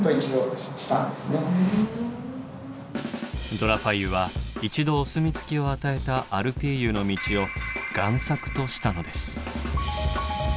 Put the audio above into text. ド・ラ・ファイユは一度お墨付きを与えた「アルピーユの道」を贋作としたのです。